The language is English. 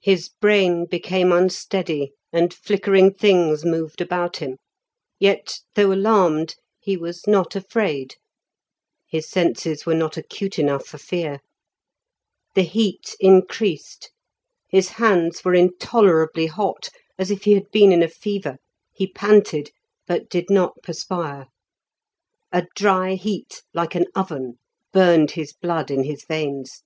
His brain became unsteady, and flickering things moved about him; yet, though alarmed, he was not afraid; his senses were not acute enough for fear. The heat increased; his hands were intolerably hot as if he had been in a fever, he panted; but did not perspire. A dry heat like an oven burned his blood in his veins.